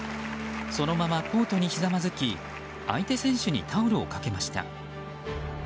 そのままコートにひざまずき相手選手にタオルをかけました。